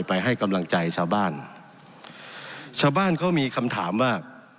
ให้กำลังใจชาวบ้านชาวบ้านเขามีคำถามว่า